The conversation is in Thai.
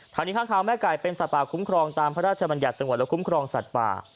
ทางนี้ข้างคาวแม่ไก่เป็นสัตว์ป่าคุ้มครองตามพระราชบัญญัติสงวนและคุ้มครองสัตว์ป่า